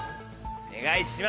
お願いします。